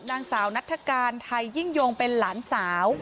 นางสาวนัฐกาลไทยยิ่งยงเป็นหลานสาว